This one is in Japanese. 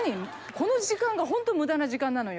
この時間がホント無駄な時間なのよ。